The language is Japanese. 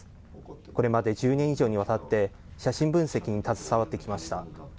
これまで１０年以上にわたって、写真分析に携わってきました。